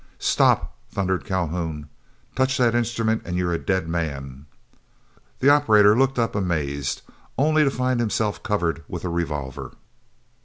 "Stop!" thundered Calhoun. "Touch that instrument and you are a dead man." The operator looked up amazed, only to find himself covered with a revolver.